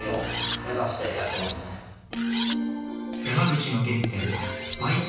山口の原点